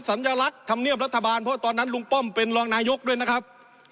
สัญลักษณ์คำเนียบรัฐบาลเพราะตอนนั้นเป็นหลองนายนต์ด้วยนะครับ